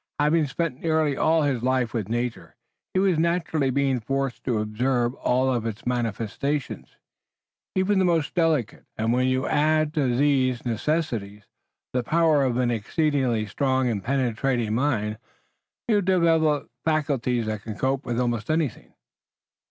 Having spent nearly all his life with nature he has naturally been forced to observe all of its manifestations, even the most delicate. And when you add to these necessities the powers of an exceedingly strong and penetrating mind you have developed faculties that can cope with almost anything.